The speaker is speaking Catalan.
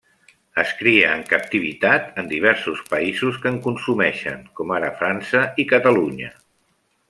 Es cria en captivitat en diversos països que en consumeixen, com ara França i Catalunya.